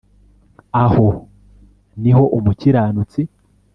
aho ni ho umukiranutsi